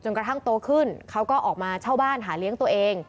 กระทั่งโตขึ้นเขาก็ออกมาเช่าบ้านหาเลี้ยงตัวเอง